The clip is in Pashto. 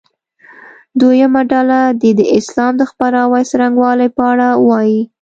دویمه ډله دې د اسلام د خپراوي څرنګوالي په اړه ووایي.